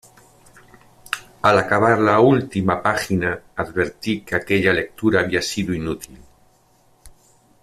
Al acabar la última página advertí que aquella lectura había sido inútil.